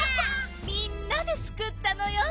みんなでつくったのよ。